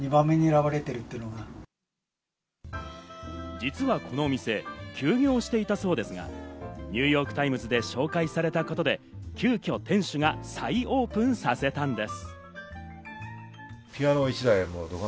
実はこのお店、休業していたそうですがニューヨーク・タイムズで紹介されたことで、急きょ店主が再オープンさせたんです。